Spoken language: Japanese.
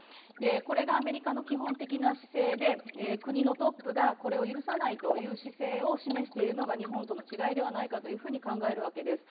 これがアメリカの基本的な姿勢で、国のトップがこれを許さないという姿勢を示しているのが日本との違いではないかと考えるわけです。